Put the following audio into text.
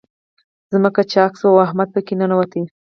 ځمکه چاک شوه، او احمد په کې ننوت.